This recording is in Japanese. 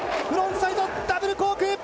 フロントサイドダブルコーク１４４０！